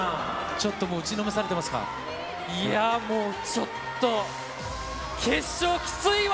ちょっともう打ちのめされてますいやー、もうちょっと、決勝きついわ。